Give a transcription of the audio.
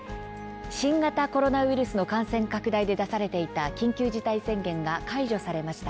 新型コロナウイルスの感染拡大で出されていた緊急事態宣言が解除されました。